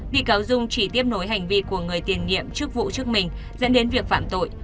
bị cáo dung chỉ tiếp nối hành vi của người tiền nhiệm chức vụ trước mình dẫn đến việc phạm tội